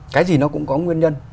cái gì nó cũng có nguyên nhân